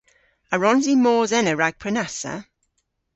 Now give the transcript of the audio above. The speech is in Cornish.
A wrons i mos ena rag prenassa?